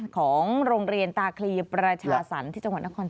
ของโรงเรียนตาคลีประชาศันต์ที่จังหวัดนครสวรรค์